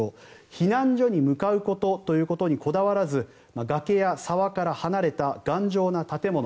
避難所に向かうことということにこだわらず崖や沢から離れた頑丈な建物